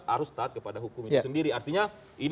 arus taat kepada hukum itu sendiri